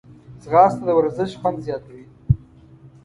ځغاسته د ورزش خوند زیاتوي